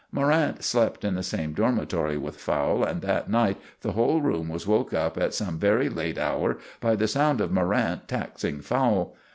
Morrant slept in the same dormitory with Fowle, and that night the whole room was woke up at some very late hour by the sound of Morrant taxing Fowle.